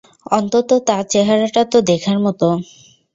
অন্তত তার চেহারাটা তো দেখার মতো।